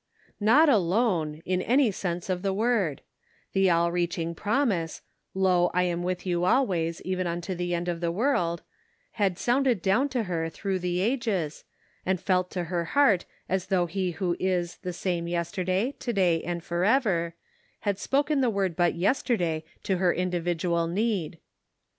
OT alone, in any sense of the word ; the all reaching promise: "Lo, I am with you always, even unto the end of the world," had sounaed down to her through the ages, and felt to her heart as though He who is " the same yesterday, to day, and forever," had spoken the word but yesterday to her individual need.